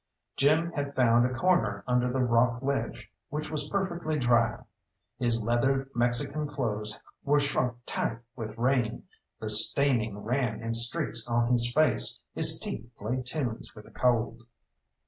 Jim had found a corner under the rock ledge which was perfectly dry. His leather Mexican clothes were shrunk tight with rain, the staining ran in streaks on his face, his teeth played tunes with the cold.